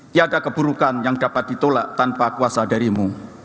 tiada keburukan yang dapat ditolak tanpa kuasa darimu